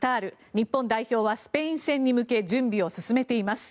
日本代表はスペイン戦に向け準備を進めています。